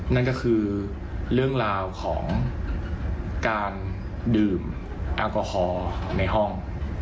นั่นก็คือเรื่องราวของการดื่มแอลกอฮอล์ในห้อง